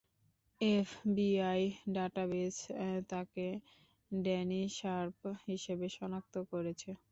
FBI database তাকে Danny Sharp হিসেবে শনাক্ত করেছে।